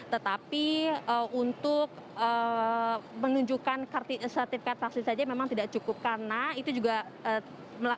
tetapi untuk menunjukkan sertifikat vaksin saja memang tidak cukup karena itu juga